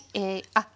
あっ